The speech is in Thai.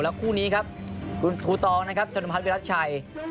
แล้วคู่นี้ครับคุณครูตองนะครับชนมภัทรวีรัชชัย